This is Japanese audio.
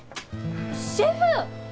シェフ！